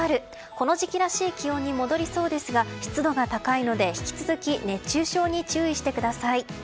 この時期らしい気温に戻りそうですが湿度が高いので引き続き熱中症に注意してください。